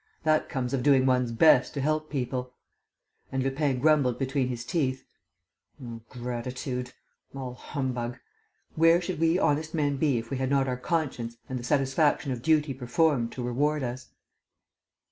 That comes of doing one's best to help people!" And Lupin grumbled between his teeth: "Oh, gratitude!... All humbug!... Where should we honest men be if we had not our conscience and the satisfaction of duty performed to reward us?"